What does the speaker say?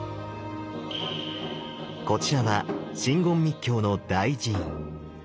こちらは真言密教の大寺院。